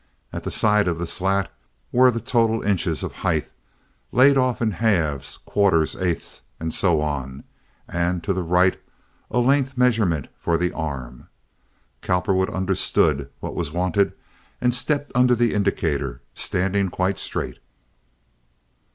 At the side of the slat were the total inches of height, laid off in halves, quarters, eighths, and so on, and to the right a length measurement for the arm. Cowperwood understood what was wanted and stepped under the indicator, standing quite straight.